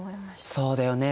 そうだよね